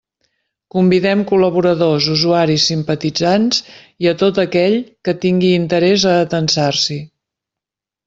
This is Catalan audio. Convidem col·laboradors, usuaris, simpatitzants i a tot aquell que tingui interès a atansar-s'hi.